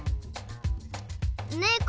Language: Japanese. ねこ？